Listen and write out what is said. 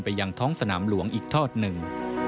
ยังท้องสนามหลวงอีกทอดหนึ่ง